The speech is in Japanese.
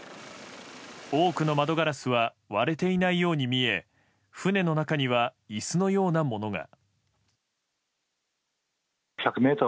多くの窓ガラスは割れていないように見え船の中には椅子のようなものが。